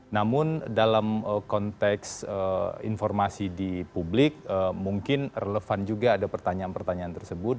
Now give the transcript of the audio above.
namun dalam konteks informasi di publik mungkin relevan juga ada pertanyaan pertanyaan tersebut